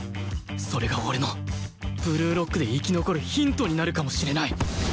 それが俺のブルーロックで生き残るヒントになるかもしれない